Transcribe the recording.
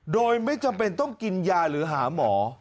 โดยไม่จำเป็นต้องกินยาหรือหาหมอ